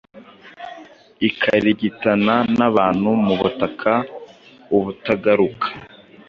ikarigitana n’abantu mu butaka ubutagaruka.